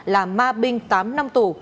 là ma binh tám năm tù